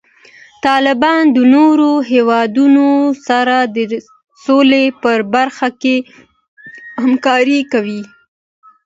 طالبان د نورو هیوادونو سره د سولې په برخه کې همکاري کوي.